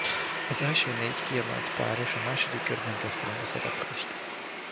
Az első négy kiemelt páros a második körben kezdte meg a szereplést.